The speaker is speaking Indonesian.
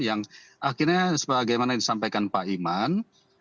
yang akhirnya sebagaimana disampaikan pak iman